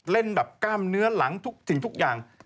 เล่นแบบกล้ามเนื้อหลังทุกสิ่งทุกอย่าง